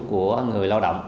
của người lao động